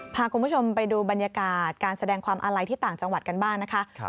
พาคุณผู้ชมไปดูบรรยากาศการแสดงความอาลัยที่ต่างจังหวัดกันบ้างนะคะ